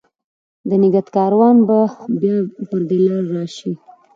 د نګهت کاروان به بیا پر دې لار، راشي